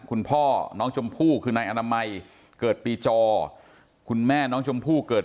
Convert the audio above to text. คุณพ่อน้องชมพู่คือนายอนามัยเกิดปีจอคุณแม่น้องชมพู่เกิด